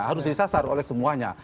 harus disasar oleh semuanya